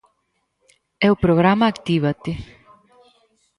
É o programa Actívate.